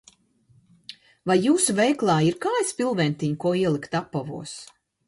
Vai jūsu veikalā ir kāju spilventiņi, ko ielikt apavos?